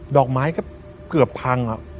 ดอกไม้ก็เกือบพัง